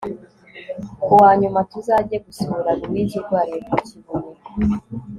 ku wa nyuma tuzajye gusura louise urwariye ku kibuye